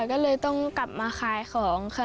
ก็เลยต้องกลับมาขายของค่ะ